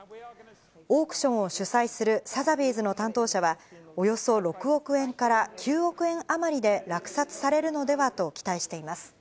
オークションを主催するサザビーズの担当者は、およそ６億円から９億円余りで落札されるのではと期待しています。